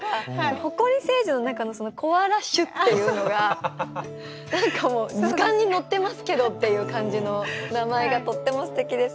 埃星人の中のコアラ種っていうのがもう図鑑に載ってますけどっていう感じの名前がとってもすてきですね。